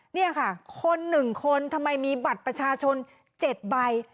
นี่ค่ะคน๑คนทำไมมีบัตรประชาชน๗ใบ